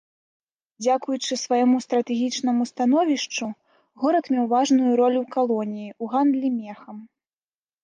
Дзякуючы свайму стратэгічнаму становішчу, горад меў важную ролю ў калоніі ў гандлі мехам.